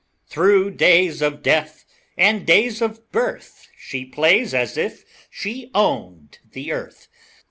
Through days of death and days of birth She plays as if she owned the earth.